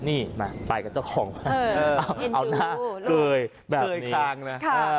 นี่ไปกับเจ้าของเอาหน้าเกยแบบคางนะ